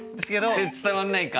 それ伝わんないか。